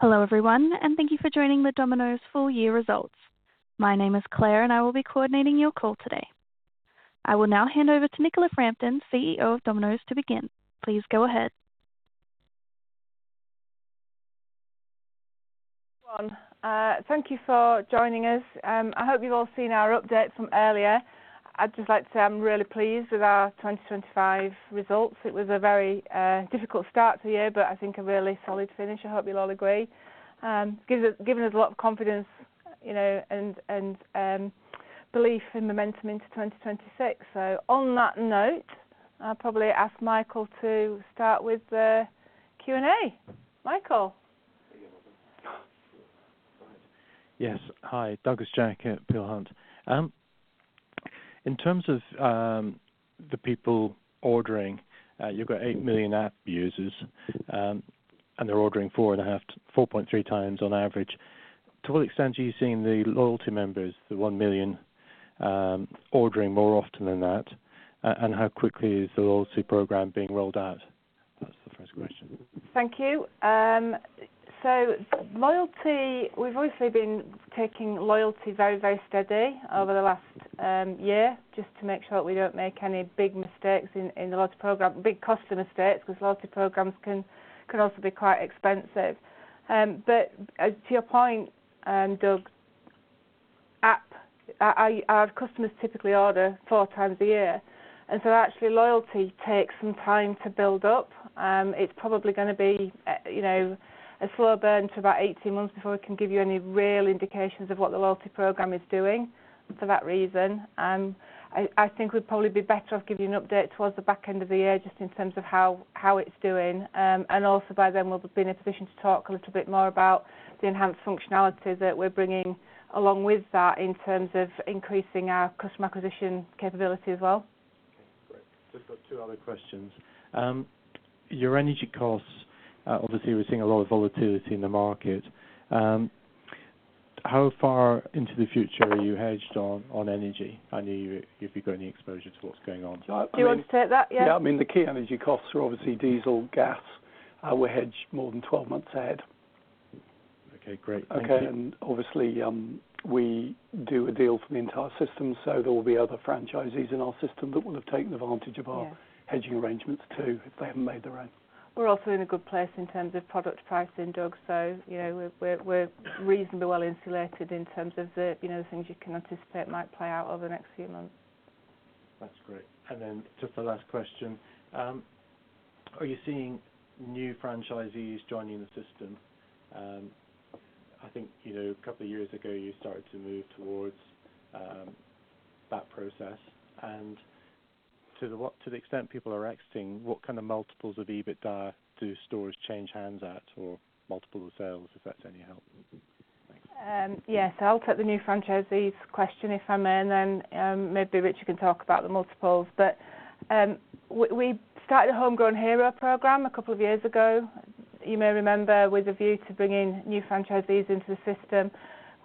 Hello, everyone, and thank you for joining the Domino's full year results. My name is Claire, and I will be coordinating your call today. I will now hand over to Nicola Frampton, CEO of Domino's, to begin. Please go ahead. Thank you for joining us. I hope you've all seen our update from earlier. I'd just like to say I'm really pleased with our 2025 results. It was a very difficult start to the year, but I think a really solid finish. I hope you'll all agree. Given us a lot of confidence, you know, and belief and momentum into 2026. On that note, I'll probably ask Michael to start with the Q&A. Michael? Yes. Hi, Douglas Jack at Peel Hunt. In terms of the people ordering, you've got 8 million app users, and they're ordering 4.3x on average. To what extent are you seeing the loyalty members, the 1 million, ordering more often than that, and how quickly is the loyalty program being rolled out? That's the first question. Thank you. Loyalty, we've obviously been taking loyalty very, very steady over the last year just to make sure that we don't make any big mistakes in the loyalty program. Big customer mistakes, because loyalty programs can also be quite expensive. To your point, Douglas, our customers typically order four times a year. Actually, loyalty takes some time to build up. It's probably gonna be a slow burn to about 18 months before we can give you any real indications of what the loyalty program is doing for that reason. I think we'd probably be better off giving you an update towards the back end of the year just in terms of how it's doing. By then, we'll be in a position to talk a little bit more about the enhanced functionality that we're bringing along with that in terms of increasing our customer acquisition capability as well. Okay, great. Just got two other questions. Your energy costs, obviously we're seeing a lot of volatility in the market. How far into the future are you hedged on energy? I know if you've got any exposure to what's going on? Do you want to take that, yeah? Yeah. I mean, the key energy costs are obviously diesel, gas. We're hedged more than 12 months ahead. Okay, great. Okay. Obviously, we do a deal for the entire system, so there will be other franchisees in our system that will have taken advantage of our hedging arrangements too, if they haven't made their own. We're also in a good place in terms of product pricing, Douglas. You know, we're reasonably well insulated in terms of the, you know, the things you can anticipate might play out over the next few months. That's great. Just the last question, are you seeing new franchisees joining the system? I think, you know, a couple of years ago, you started to move towards that process. To the extent people are exiting, what kind of multiples of EBITDA do stores change hands at or multiple of sales, if that's any help? Thanks. Yes, I'll take the new franchisees question, if I may, and then maybe Richard can talk about the multiples. We started the Homegrown Heroes program a couple of years ago. You may remember with a view to bringing new franchisees into the system.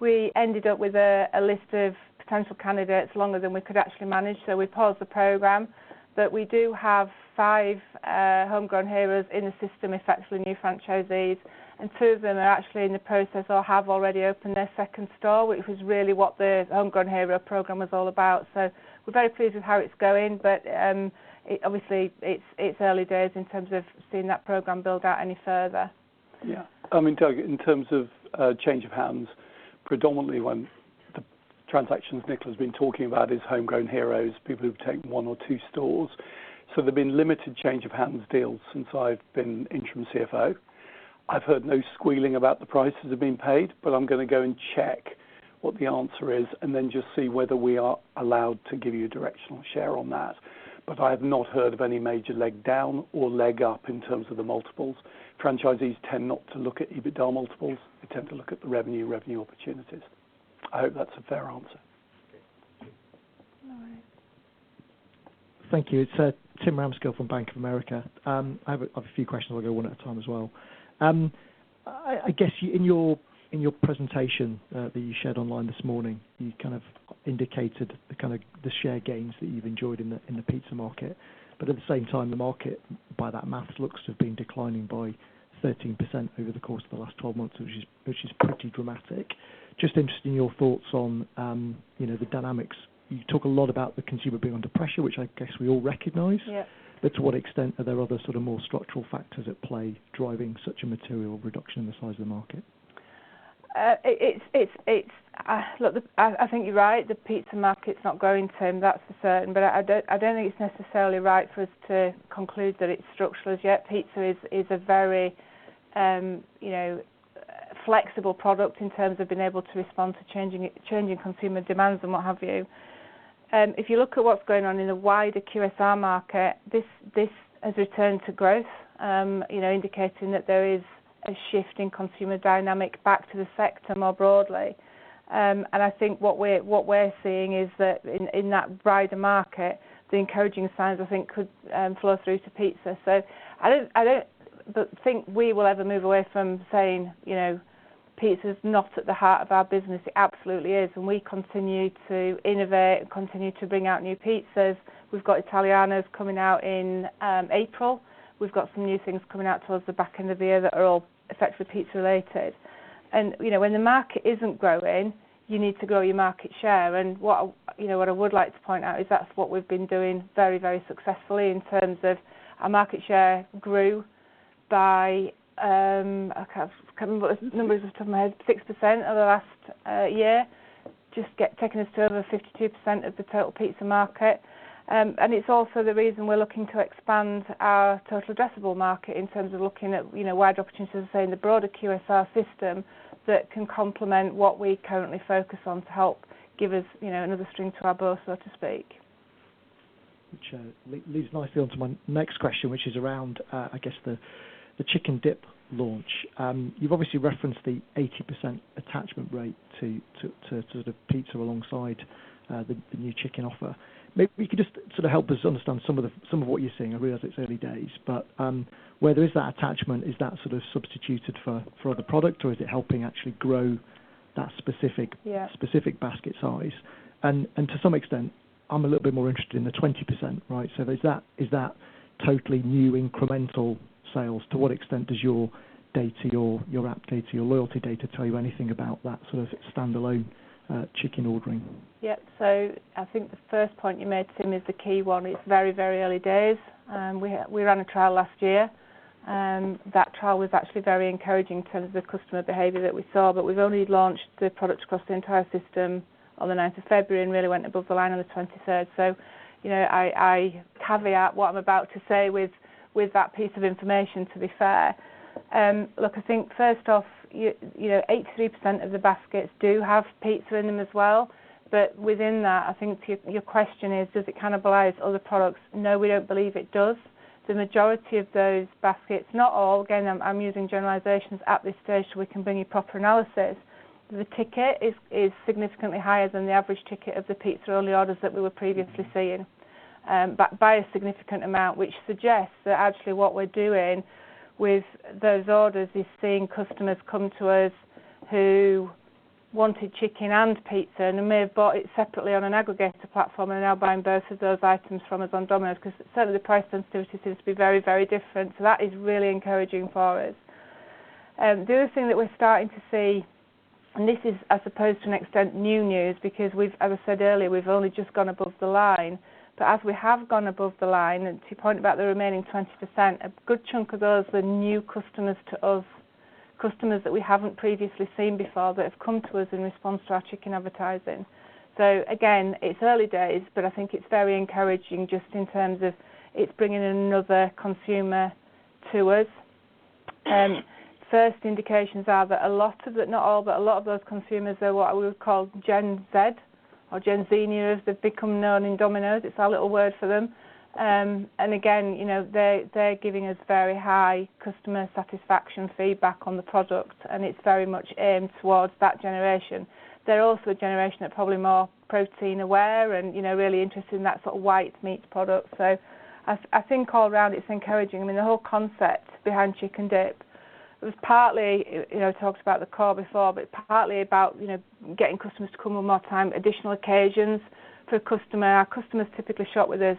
We ended up with a list of potential candidates longer than we could actually manage, so we paused the program. We do have five Homegrown Heroes in the system, essentially new franchisees, and two of them are actually in the process or have already opened their second store, which was really what the Homegrown Heroes program was all about. We're very pleased with how it's going, but it's obviously early days in terms of seeing that program build out any further. Yeah. I mean, Doug, in terms of change of hands, predominantly when the transactions Nicola's been talking about is Homegrown Heroes, people who've taken one or two stores. There've been limited change of hands deals since I've been interim CFO. I've heard no squealing about the prices that are being paid, but I'm gonna go and check what the answer is, and then just see whether we are allowed to give you a directional share on that. I have not heard of any major leg down or leg up in terms of the multiples. Franchisees tend not to look at EBITDA multiples. They tend to look at the revenue opportunities. I hope that's a fair answer. Thank you. It's Tim Ramskill from Bank of America. I have a few questions. I'll go one at a time as well. I guess in your presentation that you shared online this morning, you kind of indicated the share gains that you've enjoyed in the pizza market. At the same time, the market, by that math, looks to have been declining by 13% over the course of the last 12 months, which is pretty dramatic. Just interested in your thoughts on you know, the dynamics. You talk a lot about the consumer being under pressure, which I guess we all recognize. Yeah. To what extent are there other sort of more structural factors at play driving such a material reduction in the size of the market? I think you're right. The pizza market's not growing, Tim. That's for certain. I don't think it's necessarily right for us to conclude that it's structural as yet. Pizza is a very, you know, flexible product in terms of being able to respond to changing consumer demands and what have you. If you look at what's going on in the wider QSR market, this has returned to growth, you know, indicating that there is a shift in consumer dynamic back to the sector more broadly. I think what we're seeing is that in that wider market, the encouraging signs I think could flow through to pizza. I don't think we will ever move away from saying, you know, pizza is not at the heart of our business. It absolutely is, and we continue to innovate and continue to bring out new pizzas. We've got Italiano coming out in April. We've got some new things coming out towards the back end of the year that are all effectively pizza-related. You know, when the market isn't growing, you need to grow your market share. What I would like to point out is that's what we've been doing very, very successfully in terms of our market share grew by 6% over the last year, taking us to over 52% of the total pizza market. It's also the reason we're looking to expand our total addressable market in terms of looking at, you know, wider opportunities say in the broader QSR system that can complement what we currently focus on to help give us, you know, another string to our bow, so to speak. Which leads nicely onto my next question, which is around, I guess the Chick ’n’ Dip launch. You've obviously referenced the 80% attachment rate to sort of pizza alongside the new chicken offer. Maybe you could just sort of help us understand some of what you're seeing. I realize it's early days, but where there is that attachment, is that sort of substituted for other product, or is it helping actually grow that specific basket size? To some extent, I'm a little bit more interested in the 20%, right? Is that totally new incremental sales? To what extent does your data, your app data, your loyalty data tell you anything about that sort of standalone chicken ordering? Yeah. I think the first point you made, Tim, is the key one. It's very, very early days. We ran a trial last year, that trial was actually very encouraging in terms of customer behavior that we saw, but we've only launched the product across the entire system on the ninth of February and really went above the line on the twenty-third. You know, I caveat what I'm about to say with that piece of information, to be fair. Look, I think first off, 83% of the baskets do have pizza in them as well. But within that, I think your question is, does it cannibalize other products? No, we don't believe it does. The majority of those baskets, not all, again, I'm using generalizations at this stage so we can bring you proper analysis. The ticket is significantly higher than the average ticket of the pizza-only orders that we were previously seeing by a significant amount, which suggests that actually what we're doing with those orders is seeing customers come to us who wanted chicken and pizza, and they may have bought it separately on an aggregator platform and are now buying both of those items from us on Domino's, 'cause certainly the price sensitivity seems to be very, very different. That is really encouraging for us. The other thing that we're starting to see, and this is to an extent new news, because we've, as I said earlier, we've only just gone above the line. As we have gone above the line, and to your point about the remaining 20%, a good chunk of those are new customers to us, customers that we haven't previously seen before that have come to us in response to our chicken advertising. Again, it's early days, but I think it's very encouraging just in terms of it's bringing another consumer to us. First indications are that a lot of, but not all, of those consumers are what I would call Gen Z, or Gen Z-nos, they've become known in Domino's. It's our little word for them. Again, you know, they're giving us very high customer satisfaction feedback on the product, and it's very much aimed towards that generation. They're also a generation that probably more protein aware and, you know, really interested in that sort of white meat product. I think all around it's encouraging. I mean, the whole concept behind Chick ’n’ Dip was partly, you know, talked about the core before, but partly about, you know, getting customers to come one more time, additional occasions for a customer. Our customers typically shop with us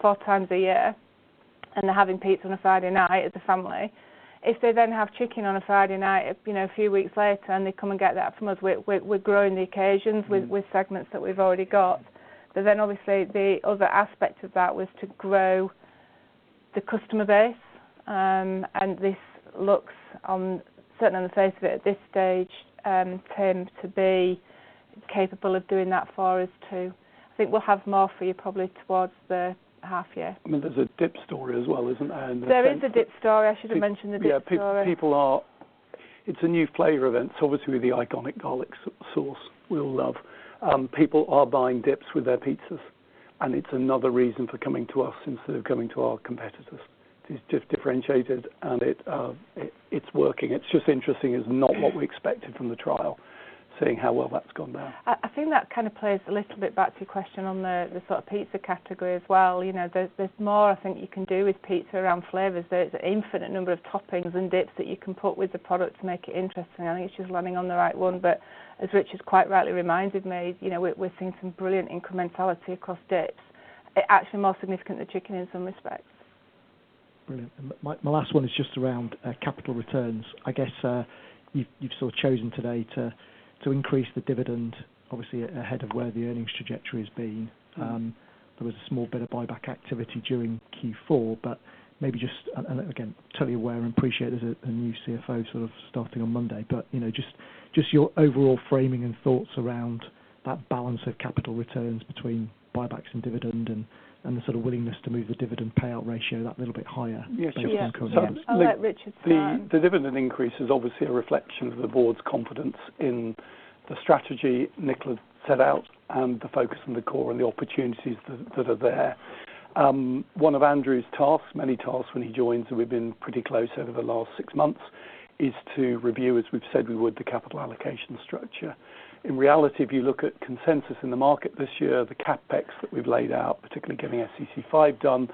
four times a year, and they're having pizza on a Friday night as a family. If they then have chicken on a Friday night, you know, a few weeks later, and they come and get that from us, we're growing the occasions with segments that we've already got. But then obviously the other aspect of that was to grow the customer base, and this looks on, certainly on the face of it at this stage, Tim, to be capable of doing that for us too. I think we'll have more for you probably towards the half year. I mean, there's a Chick ’n’ Dip story as well, isn't there? There is a Chick ’n’ Dip story. I should have mentioned the dip story. Yeah. It's a new flavor event. It's obviously the iconic garlic sauce we all love. People are buying dips with their pizzas, and it's another reason for coming to us instead of coming to our competitors. It's just differentiated, and it's working. It's just interesting. It's not what we expected from the trial, seeing how well that's gone down. I think that kind of plays a little bit back to your question on the sort of pizza category as well. You know, there's more I think you can do with pizza around flavors. There's an infinite number of toppings and dips that you can put with the product to make it interesting. I think it's just landing on the right one. But as Richard's quite rightly reminded me, we're seeing some brilliant incrementality across dips. Actually more significant than chicken in some respects. Brilliant. My last one is just around capital returns. I guess you've sort of chosen today to increase the dividend obviously ahead of where the earnings trajectory has been. There was a small bit of buyback activity during Q4, but maybe just, and again, totally aware and appreciate there's a new CFO sort of starting on Monday, but you know, just your overall framing and thoughts around that balance of capital returns between buybacks and dividend and the sort of willingness to move the dividend payout ratio that little bit higher based on current. Yeah. Yeah. I'll let Richard start. The dividend increase is obviously a reflection of the board's confidence in the strategy Nicola set out and the focus on the core and the opportunities that are there. One of Andrew's tasks, many tasks when he joins, and we've been pretty close over the last six months, is to review, as we've said we would, the capital allocation structure. In reality, if you look at consensus in the market this year, the CapEx that we've laid out, particularly getting SCC5 done,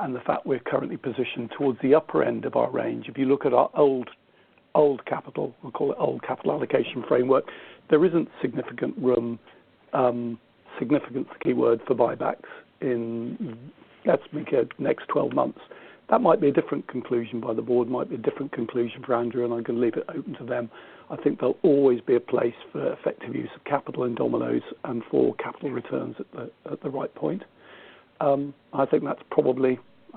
and the fact we're currently positioned towards the upper end of our range. If you look at our old capital, we call it old capital allocation framework. There isn't significant room, significant's the key word, for buybacks in, let's make it next 12 months. That might be a different conclusion by the board, might be a different conclusion for Andrew, and I can leave it open to them. I think there'll always be a place for effective use of capital in Domino's and for capital returns at the right point.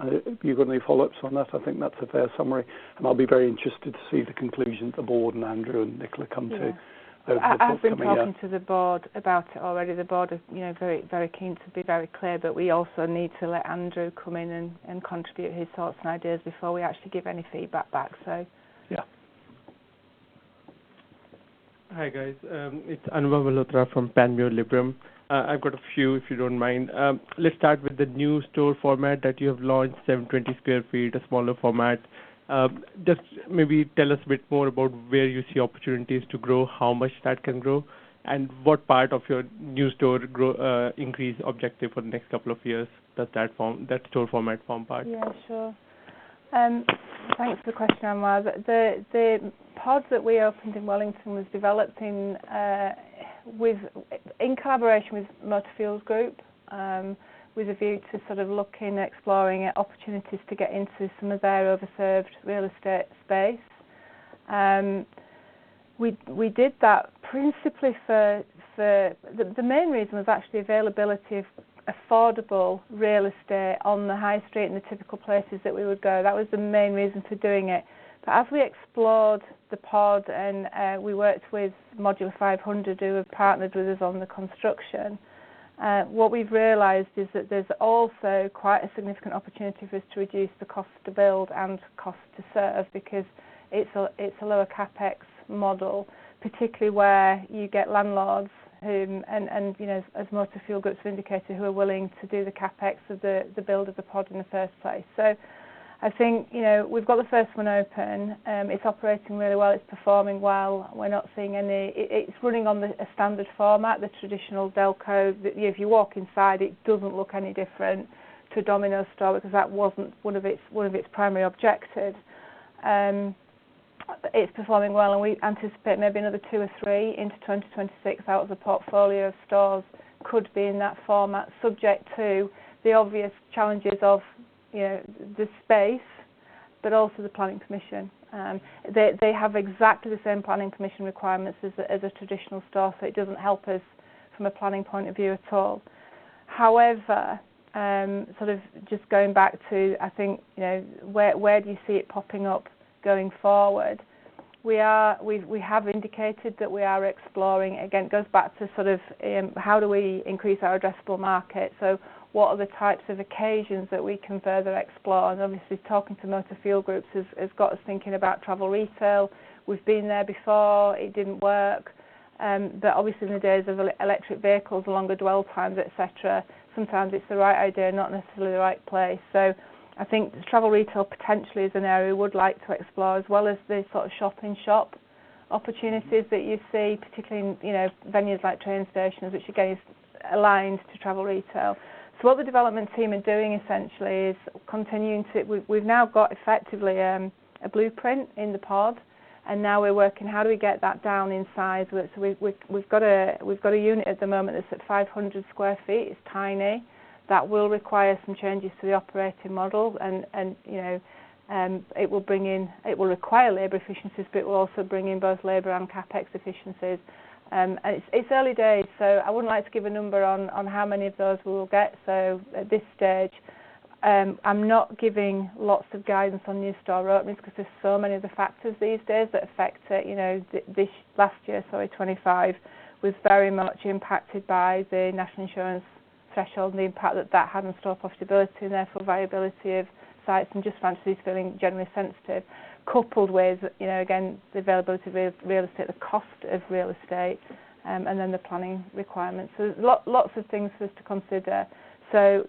If you got any follow-ups on that, I think that's a fair summary, and I'll be very interested to see the conclusion the board and Andrew and Nicola come to over the course of the year. I've been talking to the board about it already. The board is, you know, very, very keen to be very clear, but we also need to let Andrew come in and contribute his thoughts and ideas before we actually give any feedback back, so. Yeah. Hi, guys. It's Anubhav Malhotra from Panmure Liberum. I've got a few, if you don't mind. Let's start with the new store format that you have launched, 720 sq ft, a smaller format. Just maybe tell us a bit more about where you see opportunities to grow, how much that can grow, and what part of your new store growth increase objective for the next couple of years does that store format form part? Yeah, sure. Thanks for the question, Anubhav. The Pod that we opened in Wellington was developed in collaboration with Motor Fuel Group, with a view to exploring opportunities to get into some of their underserved real estate space. We did that principally. The main reason was actually availability of affordable real estate on the high street in the typical places that we would go. That was the main reason for doing it. As we explored the Pod and we worked with Module500, who have partnered with us on the construction, what we've realized is that there's also quite a significant opportunity for us to reduce the cost to build and cost to serve because it's a lower CapEx model, particularly where you get landlords who, you know, as Motor Fuel Group have indicated, who are willing to do the CapEx of the build of the Pod in the first place. I think, you know, we've got the first one open. It's operating really well. It's performing well. We're not seeing any. It's running on a standard format, the traditional DELCO. If you walk inside, it doesn't look any different to Domino's store because that wasn't one of its primary objectives. It's performing well, and we anticipate maybe another two or three into 2026 out of the portfolio of stores could be in that format, subject to the obvious challenges of, you know, the space, but also the planning permission. They have exactly the same planning permission requirements as a traditional store, so it doesn't help us from a planning point of view at all. However, sort of just going back to, I think, you know, where do you see it popping up going forward? We have indicated that we are exploring. Again, goes back to sort of how do we increase our addressable market? What are the types of occasions that we can further explore? Obviously, talking to Motor Fuel Group has got us thinking about travel retail. We've been there before. It didn't work. Obviously in the days of electric vehicles, the longer dwell times, et cetera, sometimes it's the right idea, not necessarily the right place. I think travel retail potentially is an area we would like to explore, as well as the sort of shop-in-shop opportunities that you see, particularly in, you know, venues like train stations, which again is aligned to travel retail. What the development team are doing essentially is continuing. We've now got effectively a blueprint in the Pod, and now we're working how do we get that down in size. We've got a unit at the moment that's at 500 sq ft. It's tiny. That will require some changes to the operating model and, it will bring in. It will require labor efficiencies, but it will also bring in both labor and CapEx efficiencies. It's early days, so I wouldn't like to give a number on how many of those we will get. At this stage, I'm not giving lots of guidance on new store openings because there's so many other factors these days that affect it. You know, last year, sorry, 2025, was very much impacted by the National Insurance threshold and the impact that that had on store profitability and therefore viability of sites and just franchises feeling generally sensitive, coupled with, you know, again, the availability of real estate, the cost of real estate, and then the planning requirements. Lots of things for us to consider.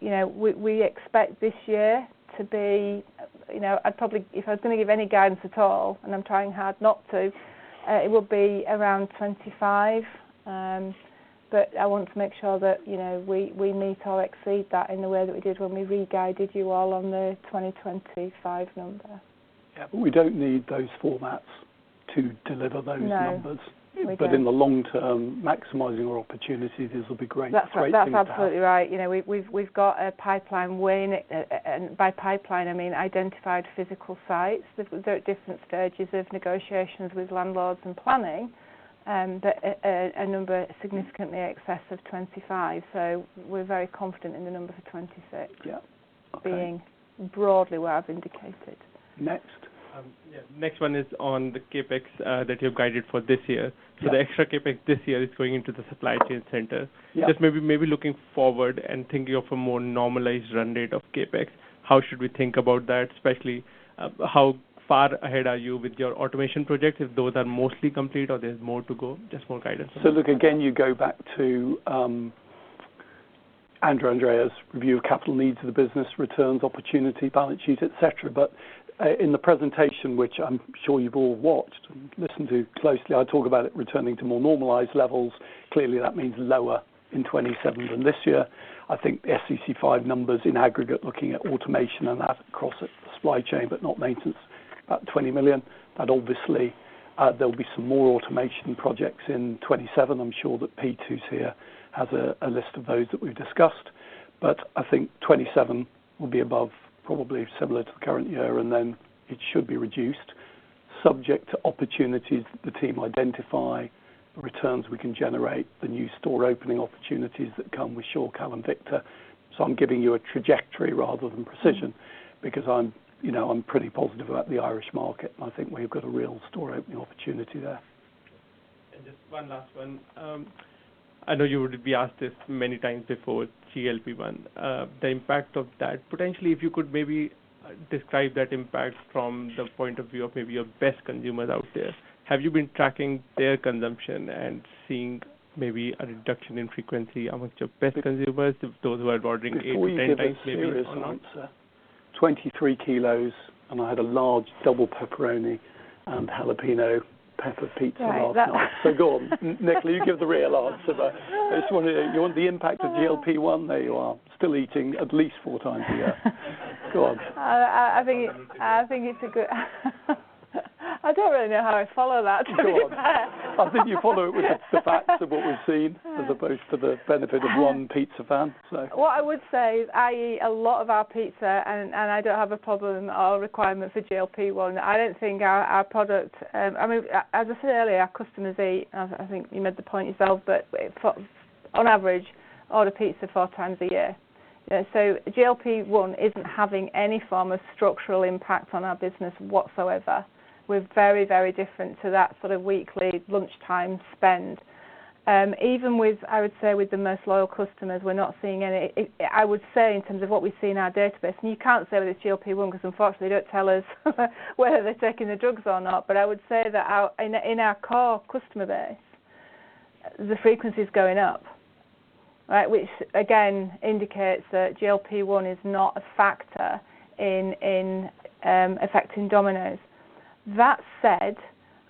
You know, we expect this year to be, you know. I'd probably if I was going to give any guidance at all, and I'm trying hard not to, it would be around 25. I want to make sure that, you know, we meet or exceed that in the way that we did when we re-guided you all on the 2025 number. Yeah. We don't need those formats to deliver those numbers. No. We don't. In the long term, maximizing our opportunities, this will be great. Great thing to have. That's absolutely right. You know, we've got a pipeline. By pipeline, I mean identified physical sites. They're at different stages of negotiations with landlords and planning, but a number significantly in excess of 25. We're very confident in the number for 2026- Yeah. Okay. being broadly where I've indicated. Next. Yeah. Next one is on the CapEx that you've guided for this year. Yeah. The extra CapEx this year is going into the supply chain center. Yeah. Just maybe looking forward and thinking of a more normalized run rate of CapEx, how should we think about that? Especially, how far ahead are you with your automation projects, if those are mostly complete or there's more to go? Just more guidance. Look, again, you go back to Andrew Rennie's review of capital needs of the business, returns, opportunity, balance sheet, et cetera. In the presentation, which I'm sure you've all watched, listen to closely. I talk about it returning to more normalized levels. Clearly, that means lower in 2027 than this year. I think the SCC5 numbers in aggregate, looking at automation and that across supply chain, but not maintenance, about 20 million. Obviously, there'll be some more automation projects in 2027. I'm sure that Pete, who's here, has a list of those that we've discussed. I think 2027 will be above, probably similar to the current year, and then it should be reduced subject to opportunities the team identify, the returns we can generate, the new store opening opportunities that come with Shorecal and Victa. I'm giving you a trajectory rather than precision because I'm, you know, I'm pretty positive about the Irish market, and I think we've got a real store opening opportunity there. Just one last one. I know you would be asked this many times before GLP-1, the impact of that. Potentially, if you could maybe describe that impact from the point of view of maybe your best consumers out there. Have you been tracking their consumption and seeing maybe a reduction in frequency amongst your best consumers, those who are ordering eight to 10 times maybe? Before you give a serious answer, 23 kg, and I had a large double pepperoni and jalapeño pepper pizza last night. Go on. Nicola, you give the real answer. You want the impact of GLP-1, there you are, still eating at least four times a year. Go on. I think it's a good. I don't really know how I follow that, to be fair. Go on. I think you follow it with the facts of what we've seen for the benefit of one pizza fan, so. What I would say is I eat a lot of our pizza, and I don't have a problem. Our requirement for GLP-1, I don't think our product, I mean, as I said earlier, our customers eat, I think you made the point yourself, but on average, order pizza four times a year. GLP-1 isn't having any form of structural impact on our business whatsoever. We're very different to that sort of weekly lunchtime spend. Even with the most loyal customers, we're not seeing any. I would say in terms of what we see in our database, and you can't say with this GLP-1 because unfortunately, they don't tell us whether they're taking the drugs or not. I would say that in our core customer base, the frequency is going up, right? Which again indicates that GLP-1 is not a factor in affecting Domino's. That said,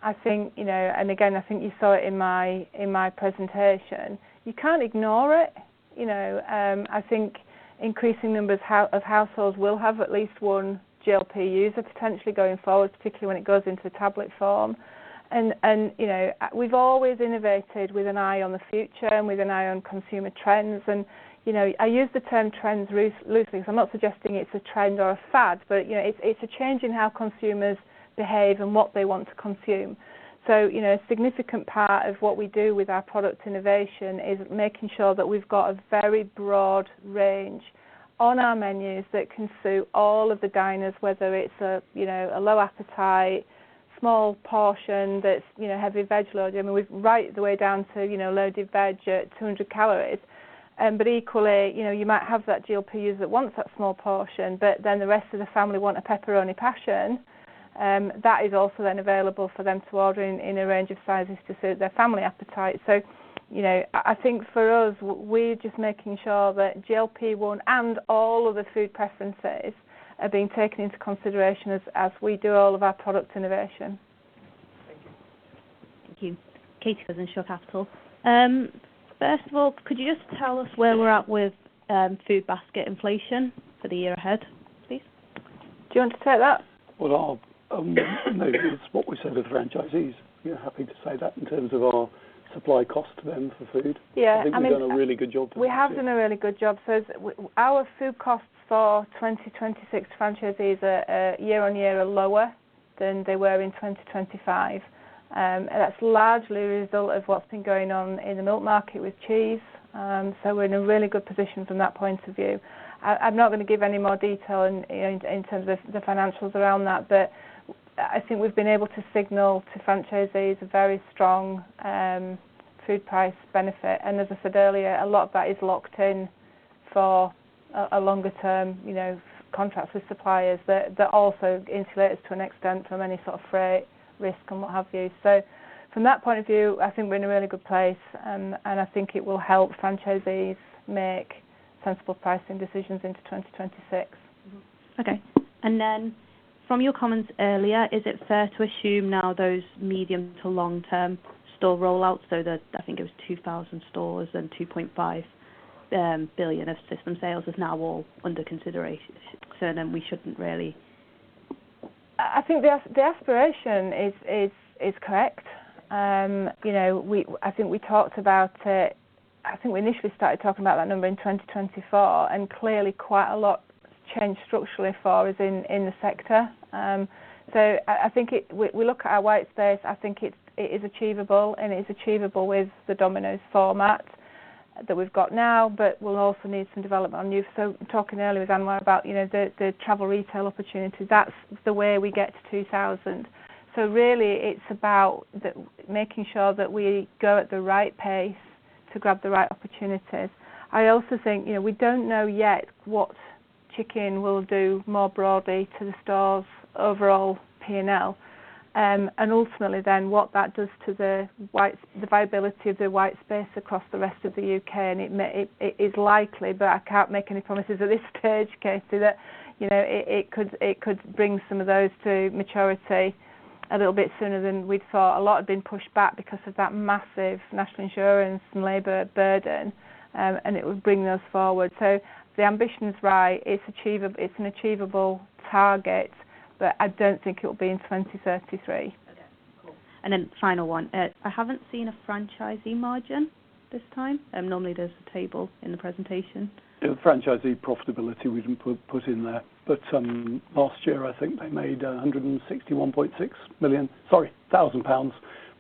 I think, you know, and again, I think you saw it in my presentation, you can't ignore it. You know, I think increasing numbers of households will have at least one GLP user potentially going forward, particularly when it goes into tablet form. You know, we've always innovated with an eye on the future and with an eye on consumer trends. You know, I use the term trends loosely, because I'm not suggesting it's a trend or a fad, but you know, it's a change in how consumers behave and what they want to consume. You know, a significant part of what we do with our product innovation is making sure that we've got a very broad range on our menus that can suit all of the diners, whether it's a you know a low appetite small portion that's you know heavy veg load. I mean, we've right the way down to you know loaded veg at 200 calories. But equally, you know, you might have that GLP-1 user that wants that small portion, but then the rest of the family want a pepperoni passion that is also then available for them to order in a range of sizes to suit their family appetite. You know, I think for us, we're just making sure that GLP-1 and all of the food preferences are being taken into consideration as we do all of our product innovation. Thank you. Thank you. Katie Cousins, Shore Capital. First of all, could you just tell us where we're at with food basket inflation for the year ahead, please? Do you want to take that? Well, I'll, maybe it's what we said with franchisees. You're happy to say that in terms of our supply cost to them for food. Yeah. I mean. I think we've done a really good job to date. We have done a really good job. Our food costs for 2026 franchisees are year on year lower than they were in 2025. That's largely a result of what's been going on in the milk market with cheese. We're in a really good position from that point of view. I'm not gonna give any more detail in terms of the financials around that, but I think we've been able to signal to franchisees a very strong food price benefit. As I said earlier, a lot of that is locked in for a longer term, you know, contract with suppliers that also insulates to an extent from any sort of freight risk and what have you. From that point of view, I think we're in a really good place, and I think it will help franchisees make sensible pricing decisions into 2026. Okay. From your comments earlier, is it fair to assume now those medium to long term store rollouts, so the, I think it was 2,000 stores and 2.5 billion of system sales is now all under consideration. We shouldn't really. I think the aspiration is correct. You know, we talked about it. I think we initially started talking about that number in 2024, and clearly quite a lot changed structurally for us in the sector. So I think it is achievable. We look at our white space. I think it is achievable, and it is achievable with the Domino's format that we have got now, but we will also need some development on new. Talking earlier with Anubhav about, you know, the travel retail opportunity, that is the way we get to 2,000. Really it is about making sure that we go at the right pace to grab the right opportunities. I also think, you know, we do not know yet what chicken will do more broadly to the store's overall P&L. Ultimately what that does to the viability of the white space across the rest of the U.K. It is likely, but I can't make any promises at this stage, Katie, that, you know, it could bring some of those to maturity a little bit sooner than we thought. A lot had been pushed back because of that massive National Insurance and labor burden, and it would bring those forward. The ambition is right. It's an achievable target, but I don't think it will be in 2033. Okay, cool. Final one. I haven't seen a franchisee margin this time. Normally, there's a table in the presentation. Yeah. Franchisee profitability, we didn't put in there, but last year, I think they made 161,600 pounds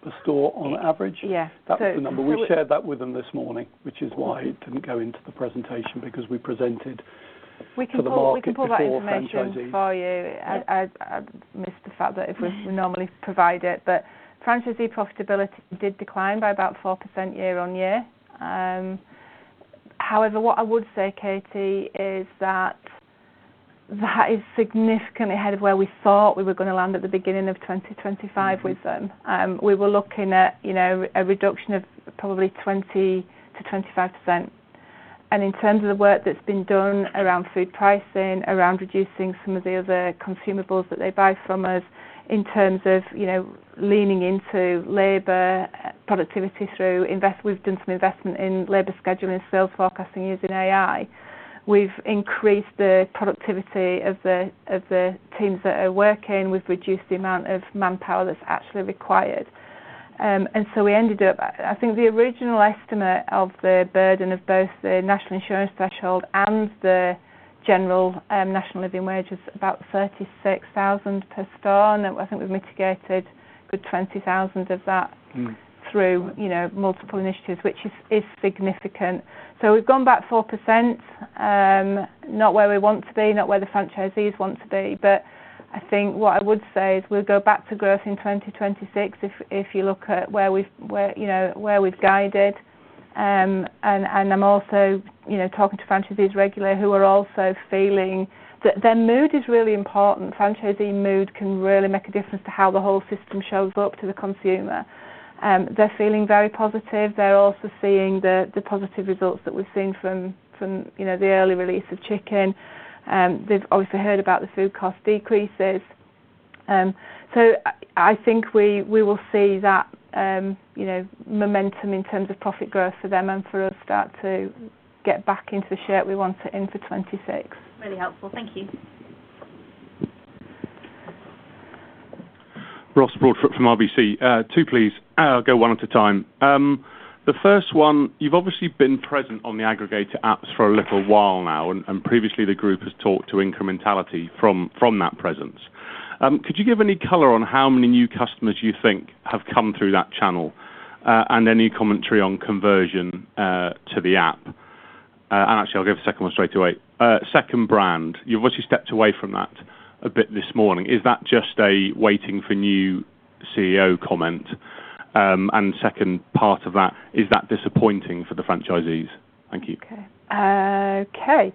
per store on average. Yeah. That was the number. We shared that with them this morning, which is why it didn't go into the presentation because we presented to the market before franchisees. We can pull that information for you I missed the fact that if we normally provide it, but franchisee profitability did decline by about 4% year-on-year. However, what I would say, Katie, is that is significantly ahead of where we thought we were going to land at the beginning of 2025 with them. We were looking at, you know, a reduction of probably 20%-25%. In terms of the work that's been done around food pricing, around reducing some of the other consumables that they buy from us in terms of, you know, leaning into labor productivity. We've done some investment in labor scheduling and sales forecasting using AI. We've increased the productivity of the teams that are working. We've reduced the amount of manpower that's actually required. I think the original estimate of the burden of both the National Insurance threshold and the general National Living Wage was about 36,000 per store. I think we've mitigated a good 20,000 of that. Through you know multiple initiatives which is significant. We've gone back 4%. Not where we want to be not where the franchisees want to be. I think what I would say is we'll go back to growth in 2026 if you look at where we've guided. I'm also you know talking to franchisees regularly who are also feeling. Their mood is really important. Franchisee mood can really make a difference to how the whole system shows up to the consumer. They're feeling very positive. They're also seeing the positive results that we've seen from the early release of chicken. They've obviously heard about the food cost decreases. I think we will see that, you know, momentum in terms of profit growth for them and for us start to get back into the shape we want it in for 2026. Really helpful. Thank you. Ross Broadfoot from RBC. Two, please. I'll go one at a time. The first one, you've obviously been present on the aggregator apps for a little while now, and previously the group has talked to incrementality from that presence. Could you give any color on how many new customers you think have come through that channel, and any commentary on conversion to the app? Actually, I'll give a second one straight away. Second brand. You've obviously stepped away from that a bit this morning. Is that just awaiting new CEO comment? Second part of that, is that disappointing for the franchisees? Thank you. Okay.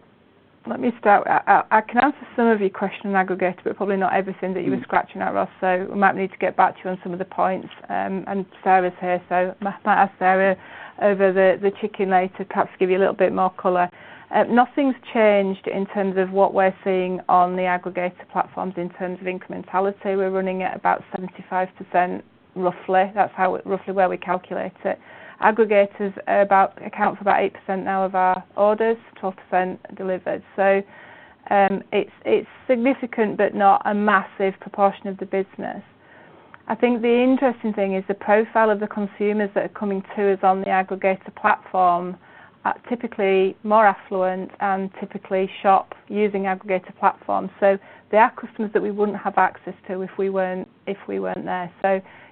Let me start. I can answer some of your question on aggregator, but probably not everything that you were getting at, Ross. We might need to get back to you on some of the points. Sarah's here, so might ask Sarah over the chicken later, perhaps give you a little bit more color. Nothing's changed in terms of what we're seeing on the aggregator platforms in terms of incrementality. We're running at about 75%, roughly. That's how, roughly where we calculate it. Aggregators account for about 8% now of our orders, 12% delivered. It's significant, but not a massive proportion of the business. I think the interesting thing is the profile of the consumers that are coming to us on the aggregator platform are typically more affluent and typically shop using aggregator platforms. They are customers that we wouldn't have access to if we weren't there.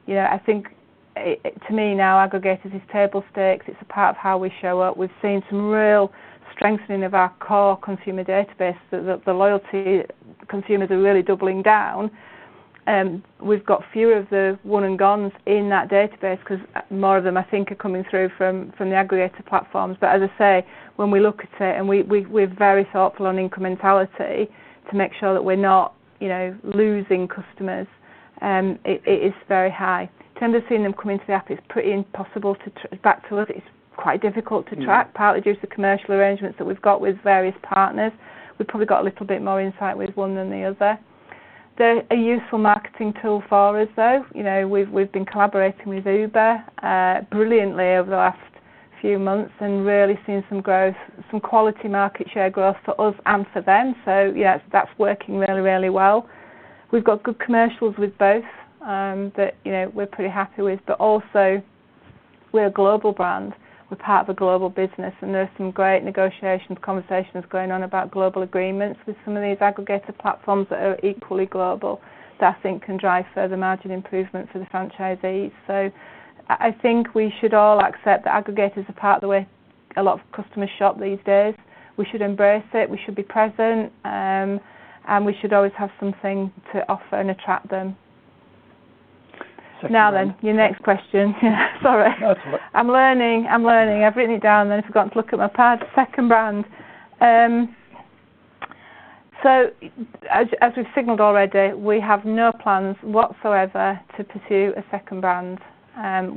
You know, I think it, to me now, aggregators is table stakes. It's a part of how we show up. We've seen some real strengthening of our core consumer database, so the loyalty consumers are really doubling down. We've got fewer of the one and gones in that database because more of them, I think, are coming through from the aggregator platforms. But as I say, when we look at it and we're very thoughtful on incrementality to make sure that we're not, you know, losing customers, it is very high. In terms of seeing them come into the app, it's pretty impossible to track. To us, it's quite difficult to track, partly due to the commercial arrangements that we've got with various partners. We've probably got a little bit more insight with one than the other. They're a useful marketing tool for us, though. You know, we've been collaborating with Uber brilliantly over the last few months and really seen some growth, some quality market share growth for us and for them. Yes, that's working really, really well. We've got good commercials with both, you know, we're pretty happy with. Also we're a global brand. We're part of a global business, and there's some great negotiations, conversations going on about global agreements with some of these aggregator platforms that are equally global that I think can drive further margin improvement for the franchisees. I think we should all accept that aggregators are part of the way a lot of customers shop these days. We should embrace it, we should be present, and we should always have something to offer and attract them. Now then, your next question. Sorry. No, it's all right. I'm learning. I've written it down, then I forgot to look at my pad. Second brand. So as we've signaled already, we have no plans whatsoever to pursue a second brand.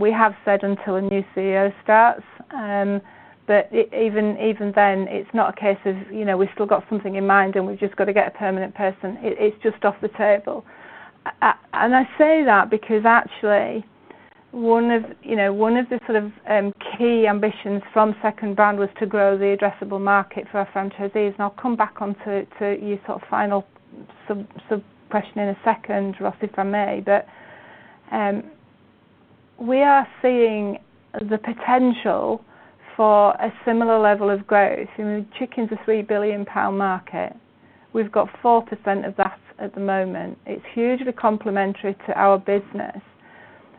We have said until a new CEO starts, but even then, it's not a case of, you know, we've still got something in mind and we've just got to get a permanent person. It's just off the table. I say that because actually one of, you know, one of the sort of key ambitions from second brand was to grow the addressable market for our franchisees. I'll come back onto your sort of final sub-sub-question in a second, Ross, if I may. We are seeing the potential for a similar level of growth. You know, chicken's a 3 billion pound market. We've got 4% of that at the moment. It's hugely complementary to our business.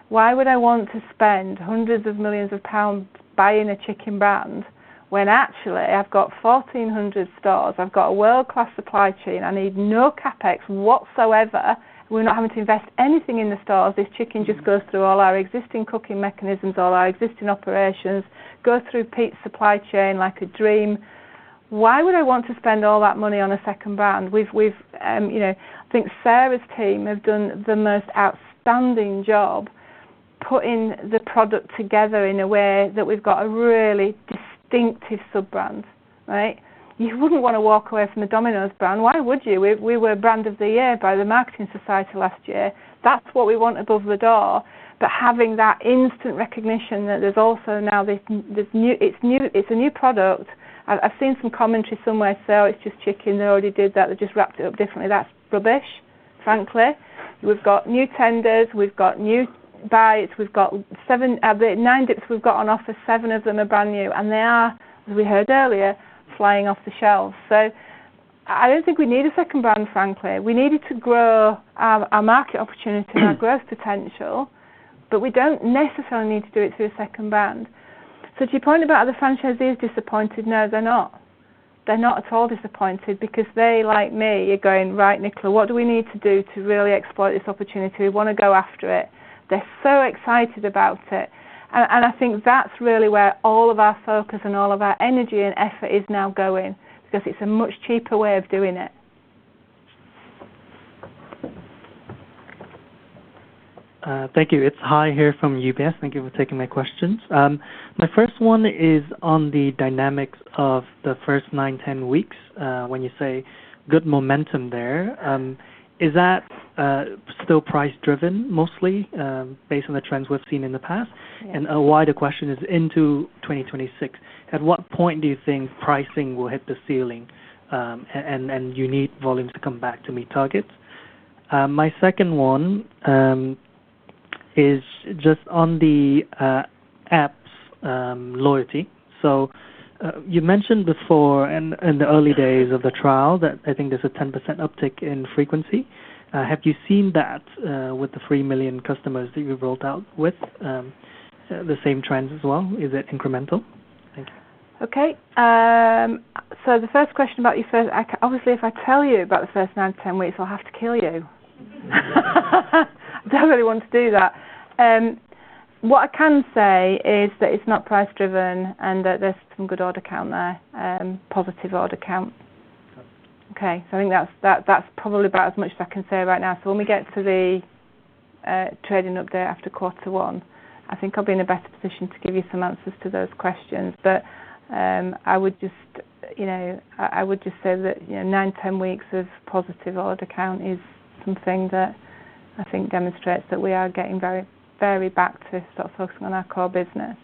Why would I want to spend hundreds of millions of pounds buying a chicken brand when actually I've got 1,400 stores? I've got a world-class supply chain. I need no CapEx whatsoever. We're not having to invest anything in the stores. This chicken just goes through all our existing cooking mechanisms, all our existing operations, go through pizza supply chain like a dream. Why would I want to spend all that money on a second brand? You know, I think Sarah's team have done the most outstanding job putting the product together in a way that we've got a really distinctive sub-brand, right? You wouldn't wanna walk away from the Domino's brand. Why would you? We were brand of the year by The Marketing Society last year. That's what we want above the door. Having that instant recognition that there's also now this new. It's new, it's a new product. I've seen some commentary somewhere, so it's just chicken. They already did that. They just wrapped it up differently. That's rubbish, frankly. We've got new tenders. We've got new bites. We've got seven. The nine dips we've got on offer, seven of them are brand new, and they are, as we heard earlier, flying off the shelves. I don't think we need a second brand, frankly. We needed to grow our market opportunity and our growth potential, but we don't necessarily need to do it through a second brand. To your point about other franchisees disappointed, no, they're not. They're not at all disappointed because they, like me, are going, "Right, Nicola, what do we need to do to really exploit this opportunity? We wanna go after it." They're so excited about it. I think that's really where all of our focus and all of our energy and effort is now going because it's a much cheaper way of doing it. Thank you. It's Hai here from UBS. Thank you for taking my questions. My first one is on the dynamics of the first nine, 10 weeks, when you say good momentum there. Is that still price-driven mostly, based on the trends we've seen in the past? Yeah. A wider question is into 2026, at what point do you think pricing will hit the ceiling, and you need volumes to come back to meet targets? My second one is just on the app's loyalty. You mentioned before in the early days of the trial that I think there's a 10% uptick in frequency. Have you seen that with the 3 million customers that you've rolled out with the same trends as well? Is it incremental? Thank you. Obviously, if I tell you about the first nine, 10 weeks, I'll have to kill you. I don't really want to do that. What I can say is that it's not price-driven and that there's some good order count there, positive order count. Okay. Okay. I think that's probably about as much as I can say right now. When we get to the trading update after quarter one, I think I'll be in a better position to give you some answers to those questions. I would just say that, you know, nine, 10 weeks of positive order count is something that I think demonstrates that we are getting very, very back to sort of focusing on our core business.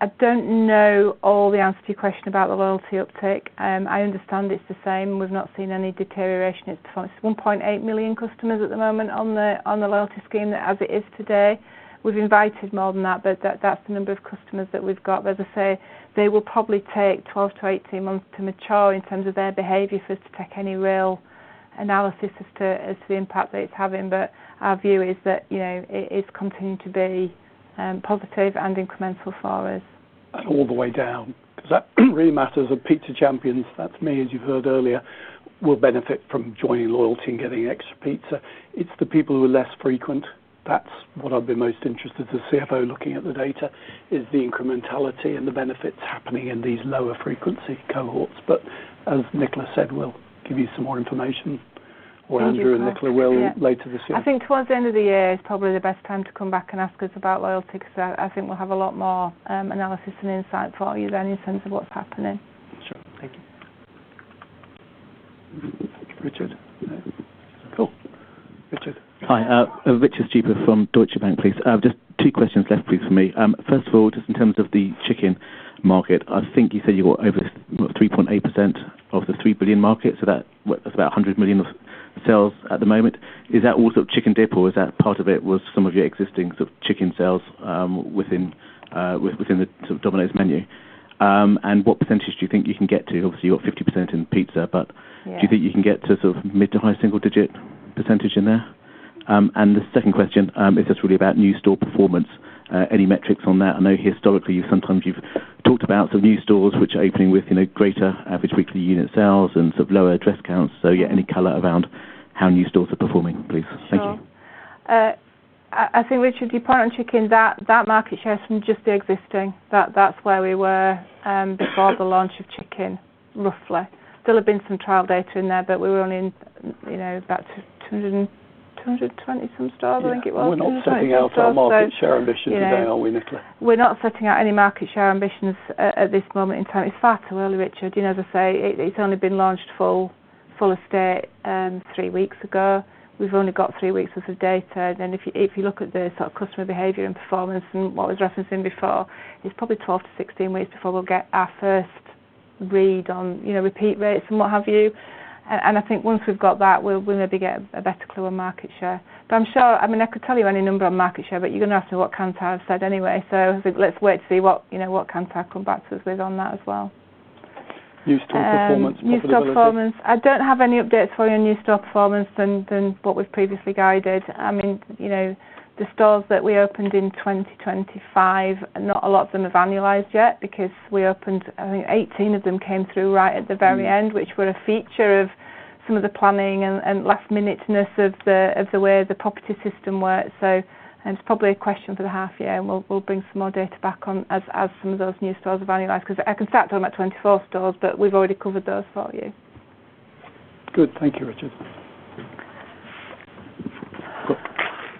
I don't know all the answers to your question about the loyalty uptick. I understand it's the same. We've not seen any deterioration. It's 1.8 million customers at the moment on the loyalty scheme as it is today. We've invited more than that's the number of customers that we've got. As I say, they will probably take 12-18 months to mature in terms of their behavior for us to take any real analysis as to the impact that it's having. Our view is that, you know, it is continuing to be positive and incremental for us. All the way down. 'Cause that really matters to Pizza Champions, that's me, as you heard earlier, will benefit from joining loyalty and getting extra pizza. It's the people who are less frequent. That's what I'd be most interested to see if I were looking at the data, is the incrementality and the benefits happening in these lower frequency cohorts. But as Nicola said, we'll give you some more information. Andrew and Nicola will later this year. I think towards the end of the year is probably the best time to come back and ask us about loyalty, 'cause I think we'll have a lot more analysis and insight for you then in terms of what's happening. Sure. Thank you. Richard? Cool. Richard. Hi. Richard Stuber from Deutsche Bank, please. Just two questions left, please, for me. First of all, just in terms of the chicken market, I think you said you got over 3.8% of the 3 billion market, so that's about 100 million of sales at the moment. Is that all sort of Chick ‘n’ Dip, or is that part of it was some of your existing sort of chicken sales within the sort of Domino's menu? And what percentage do you think you can get to? Obviously, you've got 50% in pizza, but do you think you can get to sort of mid- to high-single-digit % in there? The second question is just really about new store performance. Any metrics on that? I know historically you've sometimes talked about some new stores which are opening with, you know, greater average weekly unit sales and sort of lower address counts. Yeah, any color around how new stores are performing, please? Thank you. Sure. I think, Richard, your point on chicken, that market share is from just the existing. That's where we were before the launch of chicken, roughly. There still have been some trial data in there, but we were only in, you know, about 220-some stores, I think it was. Something like that. Yeah. We're not setting out our market share ambitions today, are we, Nicola? We're not setting out any market share ambitions at this moment in time. It's far too early, Richard. You know, as I say, it's only been launched for full estate three weeks ago. We've only got three weeks' worth of data. If you look at the sort of customer behavior and performance and what I was referencing before, it's probably 12-16 weeks before we'll get our first read on, you know, repeat rates and what have you. I think once we've got that, we'll maybe get a better clue on market share. I'm sure. I mean, I could tell you any number on market share, but you're gonna go with what Kantar have said anyway. I think let's wait to see what, you know, what Kantar come back to us with on that as well. New store performance, profitability. New store performance. I don't have any updates for you on new store performance than what we've previously guided. I mean, you know, the stores that we opened in 2025, not a lot of them have annualized yet because we opened. I think 18 of them came through right at the very end, which were a feature of some of the planning and last minuteness of the way the property system works. It's probably a question for the half year, and we'll bring some more data back on as some of those new stores have annualized. 'Cause I can start talking about 2024 stores, but we've already covered those for you. Good. Thank you, Richard. Got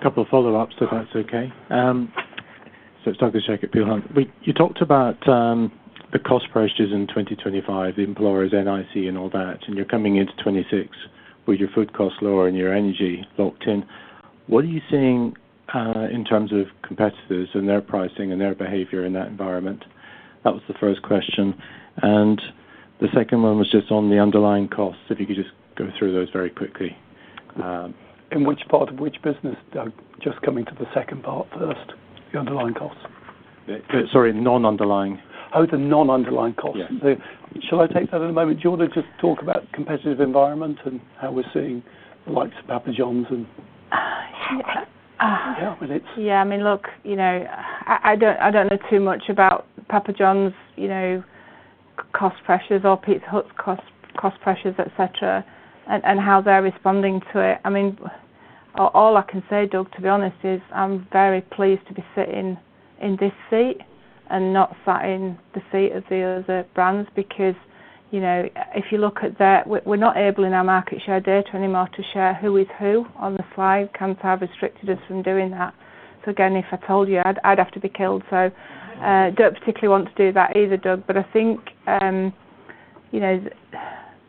a couple of follow-ups, if that's okay. So it's Douglas Jack at Peel Hunt. You talked about the cost pressures in 2025, the employers' NIC and all that, and you're coming into 2026 with your food costs lower and your energy locked in. What are you seeing in terms of competitors and their pricing and their behavior in that environment? That was the first question. The second one was just on the underlying costs, if you could just go through those very quickly. In which part of which business, Douglas? Just coming to the second part first, the underlying costs. Sorry, non-underlying. Oh, the non-underlying costs. Yeah. Shall I take that at the moment? Do you want to just talk about competitive environment and how we're seeing the likes of Papa John's and Yeah. Carried on with it. Yeah, I mean, look, you know, I don't know too much about Papa John's, you know, cost pressures or Pizza Hut's cost pressures, et cetera, and how they're responding to it. I mean, all I can say, Douglas, to be honest, is I'm very pleased to be sitting in this seat and not sat in the seat of the other brands because, you know, if you look at their. We're not able in our market share data anymore to share who is who on the slide. Kantar have restricted us from doing that. Again, if I told you, I'd have to be killed. Don't particularly want to do that either, Douglas. I think, you know,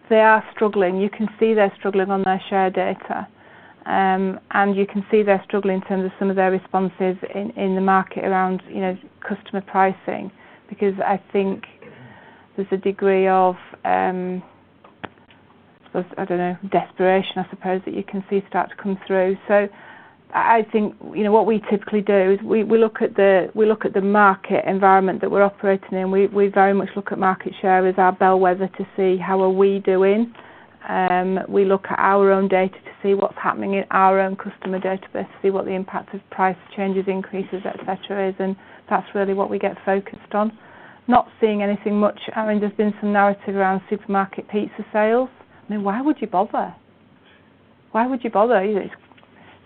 they are struggling. You can see they're struggling on their share data. You can see they're struggling in terms of some of their responses in the market around, you know, customer pricing. Because I think there's a degree of, I don't know, desperation, I suppose, that you can see start to come through. I think, you know, what we typically do is we look at the market environment that we're operating in. We very much look at market share as our bellwether to see how are we doing. We look at our own data to see what's happening in our own customer database to see what the impact of price changes, increases, et cetera, is, and that's really what we get focused on. Not seeing anything much. I mean, there's been some narrative around supermarket pizza sales. I mean, why would you bother? Why would you bother? It's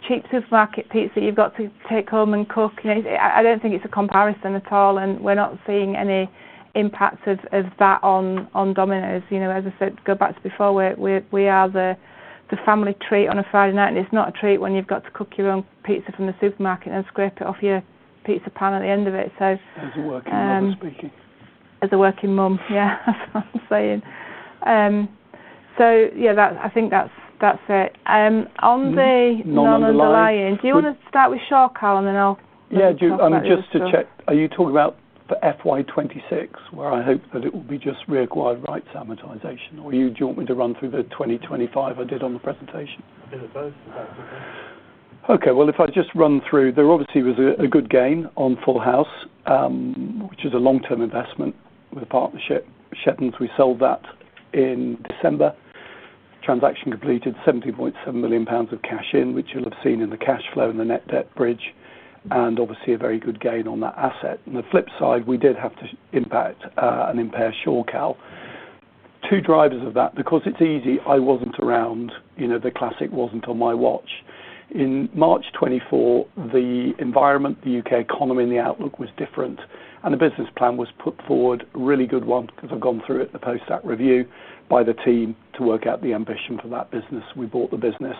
cheap supermarket pizza you've got to take home and cook. You know, I don't think it's a comparison at all, and we're not seeing any impacts of that on Domino's. You know, as I said, to go back to before, we are the family treat on a Friday night, and it's not a treat when you've got to cook your own pizza from the supermarket and scrape it off your pizza pan at the end of it. As a working mother speaking. As a working mom, yeah. That's what I'm saying. Yeah, I think that's it. On the non-underlying. Non-underlying Do you want to start with Shorecal, and then I'll talk about? Yeah, just to check. Are you talking about the FY2026, where I hope that it will be just reacquired rights amortization? Or do you want me to run through the 2025 I did on the presentation? A bit of both if that's okay. Okay. Well, if I just run through, there obviously was a good gain on Full House, which is a long-term investment with a partnership. Shenton's, we sold that in December. Transaction completed 70.7 million pounds of cash in, which you'll have seen in the cash flow and the net debt bridge, and obviously a very good gain on that asset. On the flip side, we did have to impair Shorecal. Two drivers of that, because it's easy. I wasn't around. The classic wasn't on my watch. In March 2024, the environment, the U.K. economy, and the outlook was different, and the business plan was put forward, a really good one, 'cause I've gone through it in the post-AC review by the team to work out the ambition for that business. We bought the business.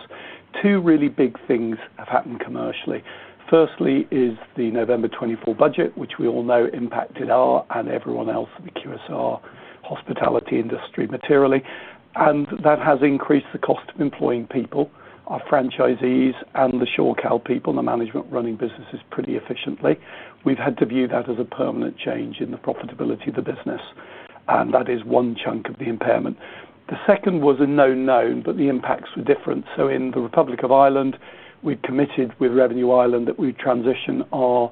Two really big things have happened commercially. Firstly is the November 2024 budget, which we all know impacted us and everyone else in the QSR hospitality industry materially. That has increased the cost of employing people, our franchisees and the Shorecal people, the management running businesses pretty efficiently. We've had to view that as a permanent change in the profitability of the business, and that is one chunk of the impairment. The second was a known known, but the impacts were different. In the Republic of Ireland, we'd committed with Revenue Commissioners that we'd transition our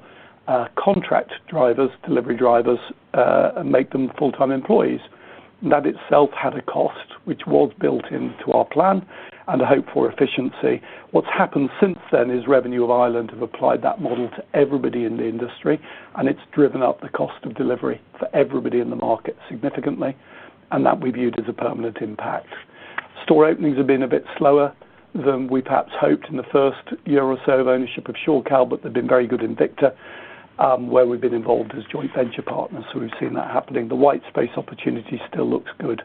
contract drivers, delivery drivers, and make them full-time employees. That itself had a cost, which was built into our plan and a hope for efficiency. What's happened since then is Revenue Commissioners have applied that model to everybody in the industry, and it's driven up the cost of delivery for everybody in the market significantly, and that we viewed as a permanent impact. Store openings have been a bit slower than we perhaps hoped in the first year or so of ownership of Shorecal, but they've been very good in Victa, where we've been involved as joint venture partners. We've seen that happening. The white space opportunity still looks good.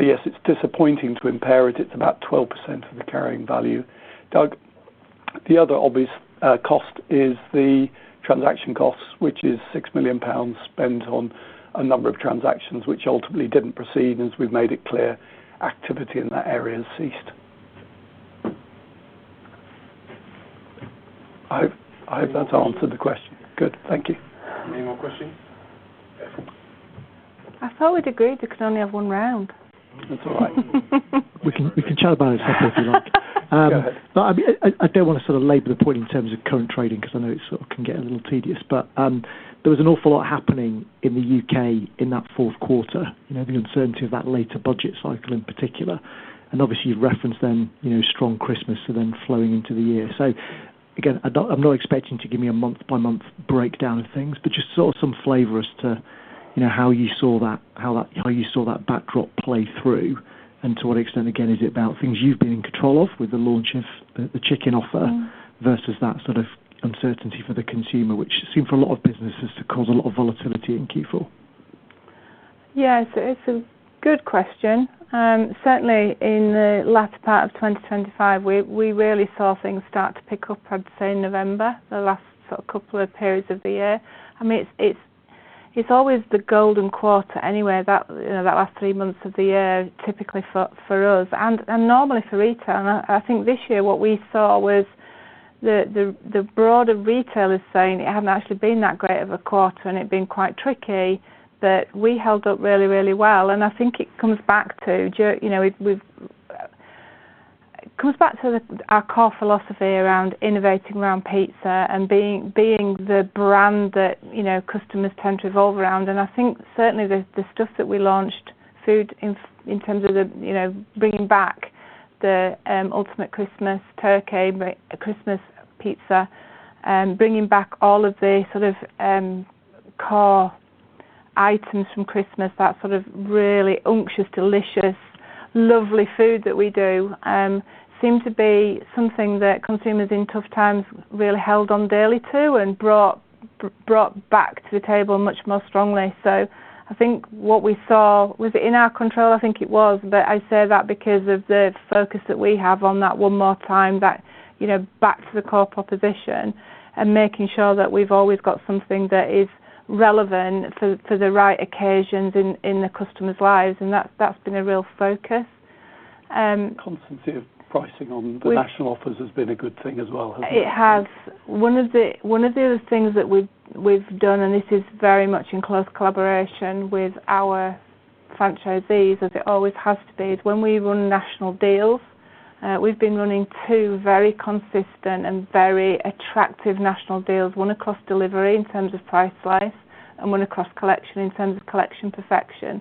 Yes, it's disappointing to impair it. It's about 12% of the carrying value. Douglas, the other obvious cost is the transaction costs, which is 6 million pounds spent on a number of transactions which ultimately didn't proceed. As we've made it clear, activity in that area has ceased. I hope that's answered the question. Good. Thank you. Any more questions? I thought we'd agreed you could only have one round. That's all right. We can chat about it after, if you like. Go ahead. No, I mean, I don't wanna sort of labor the point in terms of current trading 'cause I know it sort of can get a little tedious, but there was an awful lot happening in the U.K. in that fourth quarter, you know, the uncertainty of that later budget cycle in particular, and obviously you referenced then, you know, strong Christmas so then flowing into the year. Again, I'm not expecting you to give me a month-by-month breakdown of things, but just sort of some flavor as to, you know, how you saw that backdrop play through and to what extent, again, is it about things you've been in control of with the launch of the chicken offer versus that sort of uncertainty for the consumer, which seemed for a lot of businesses to cause a lot of volatility in Q4. Yes, it's a good question. Certainly in the latter part of 2025, we really saw things start to pick up, I'd say in November, the last sort of couple of periods of the year. I mean, it's always the golden quarter anyway that, you know, that last three months of the year typically for us and normally for retail. I think this year what we saw was the broader retailers saying it hadn't actually been that great of a quarter, and it'd been quite tricky, but we held up really well, and I think it comes back to our core philosophy around innovating around pizza and being the brand that, you know, customers tend to revolve around. I think certainly the stuff that we launched, food in terms of the, you know, bringing back the The Festive One, Christmas pizza, bringing back all of the sort of core items from Christmas, that sort of really unctuous, delicious, lovely food that we do, seemed to be something that consumers in tough times really held on dearly to and brought back to the table much more strongly. I think what we saw. Was it in our control? I think it was, but I say that because of the focus that we have on that one more time, that, you know, back to the core proposition and making sure that we've always got something that is relevant for the right occasions in the customer's lives, and that's been a real focus. Consistency of pricing. The national offers has been a good thing as well, hasn't it? It has. One of the other things that we've done, and this is very much in close collaboration with our franchisees, as it always has to be, is when we run national deals, we've been running two very consistent and very attractive national deals, one across delivery in terms of Price Slice, and one across collection in terms of Collection Perfection.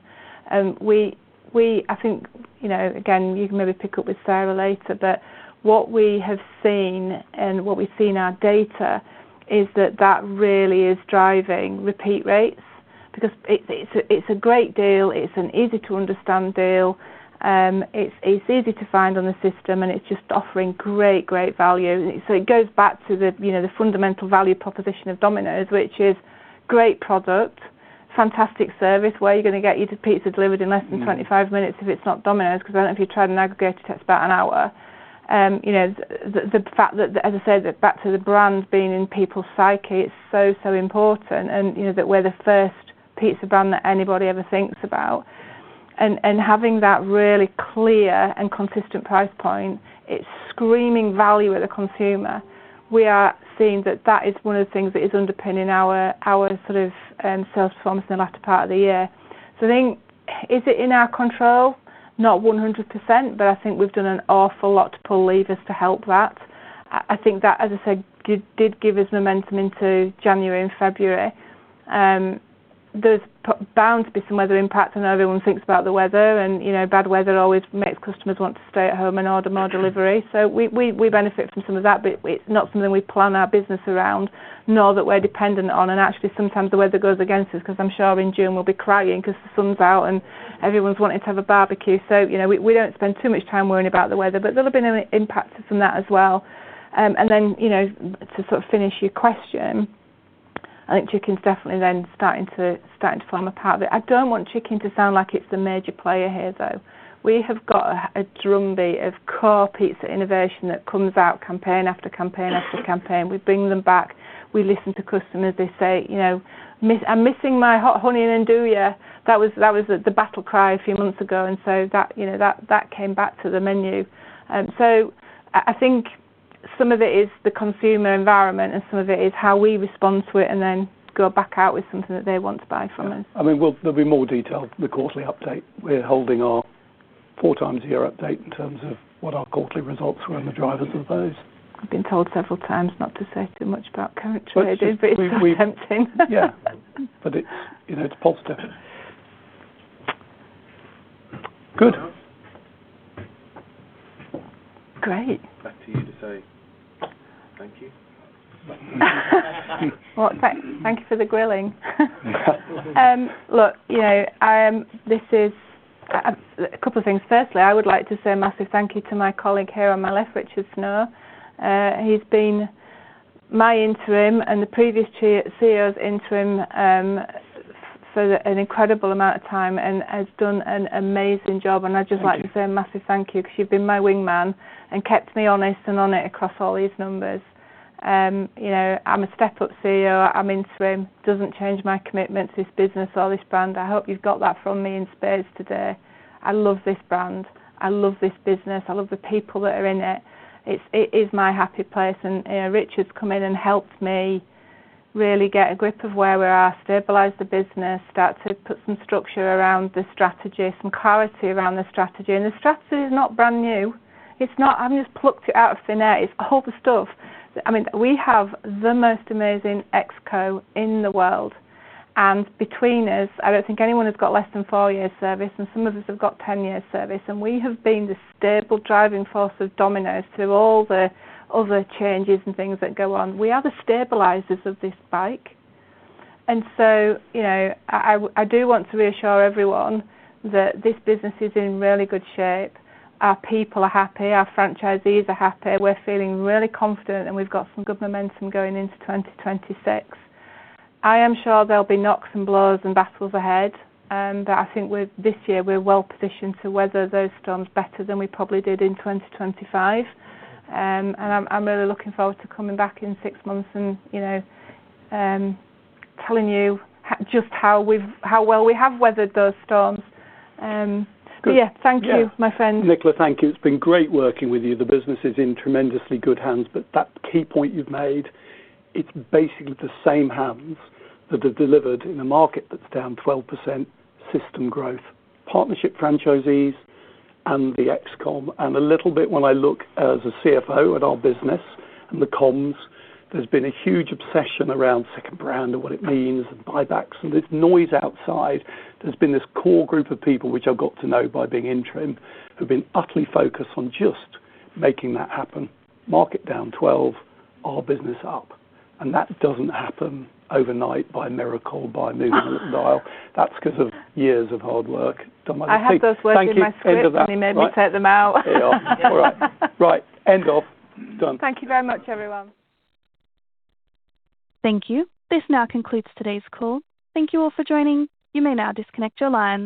I think, you know, again, you can maybe pick up with Sarah later, but what we have seen and what we see in our data is that that really is driving repeat rates because it's a great deal, it's an easy-to-understand deal, it's easy to find on the system, and it's just offering great value. It goes back to you know, the fundamental value proposition of Domino's, which is great product, fantastic service. Where are you gonna get your pizza delivered in less than 25 minutes if it's not Domino's? 'Cause I don't know, if you tried an aggregator, takes about an hour. You know, the fact that, as I said, back to the brand being in people's psyche, it's so important and, you know, that we're the first pizza brand that anybody ever thinks about. Having that really clear and consistent price point, it's screaming value at the consumer. We are seeing that is one of the things that is underpinning our sort of sales performance in the latter part of the year. I think, is it in our control? Not 100%, but I think we've done an awful lot to pull levers to help that. I think that, as I said, it did give us momentum into January and February. There's probably bound to be some weather impact. I know everyone thinks about the weather and, you know, bad weather always makes customers want to stay at home and order more delivery. We benefit from some of that, but it's not something we plan our business around, nor that we're dependent on. Actually, sometimes the weather goes against us 'cause I'm sure in June we'll be crying 'cause the sun's out, and everyone's wanting to have a barbecue. You know, we don't spend too much time worrying about the weather, but there'll have been an impact from that as well. Then, you know, to sort of finish your question, I think chicken's definitely then starting to form a part of it. I don't want chicken to sound like it's the major player here, though. We have got a drumbeat of core pizza innovation that comes out campaign after campaign after campaign. We bring them back. We listen to customers. They say, you know, "I'm missing my hot honey and 'Nduja." That was the battle cry a few months ago. That, you know, that came back to the menu. I think some of it is the consumer environment, and some of it is how we respond to it and then go back out with something that they want to buy from us. I mean, there'll be more detail in the quarterly update. We're holding our four times a year update in terms of what our quarterly results were and the drivers of those. I've been told several times not to say too much about current trading it's so tempting. Yeah. It's, you know, it's positive. Good. Great. Back to you to say thank you. Well, thanks for the grilling. Look, you know, this is a couple of things. Firstly, I would like to say a massive thank you to my colleague here on my left, Richard Snow. He's been my interim and the previous CEO's interim for an incredible amount of time and has done an amazing job. Thank you. I'd just like to say a massive thank you because you've been my wingman and kept me honest and on it across all these numbers. You know, I'm a step-up CEO, I'm interim, doesn't change my commitment to this business or this brand. I hope you've got that from me in spades today. I love this brand. I love this business. I love the people that are in it. It is my happy place. Richard's come in and helped me really get a grip of where we are, stabilize the business, start to put some structure around the strategy, some clarity around the strategy. The strategy is not brand new. It's not. I haven't just plucked it out of thin air. It's all the stuff. I mean, we have the most amazing ExCo in the world. Between us, I don't think anyone has got less than four years service, and some of us have got 10 years service. We have been the stable driving force of Domino's through all the other changes and things that go on. We are the stabilizers of this bike. You know, I do want to reassure everyone that this business is in really good shape. Our people are happy, our franchisees are happy. We're feeling really confident, and we've got some good momentum going into 2026. I am sure there'll be knocks and blows and battles ahead, but I think with this year, we're well-positioned to weather those storms better than we probably did in 2025. I'm really looking forward to coming back in six months and, you know, telling you just how well we have weathered those storms. Good. Yeah, thank you. Yeah. my friend. Nicola, thank you. It's been great working with you. The business is in tremendously good hands. That key point you've made, it's basically the same hands that have delivered in a market that's down 12% system growth. Partnership franchisees and the ExCom. A little bit when I look as a CFO at our business and the ExCom, there's been a huge obsession around second brand and what it means, and buybacks, and there's noise outside. There's been this core group of people, which I've got to know by being interim, who've been utterly focused on just making that happen. Market down 12, our business up. That doesn't happen overnight by miracle, by moving a little dial. That's 'cause of years of hard work. Done my bit. I had those words in my script. Thank you. End of that. You made me take them out. Here you are. All right. Right. End off. Done. Thank you very much, everyone. Thank you. This now concludes today's call. Thank you all for joining. You may now disconnect your lines.